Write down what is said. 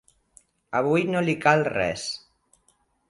Avui no li cal res.